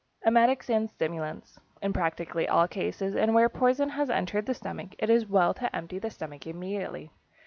=Emetics and Stimulants.= In practically all cases, and where poison has entered the stomach, it is well to empty the stomach immediately.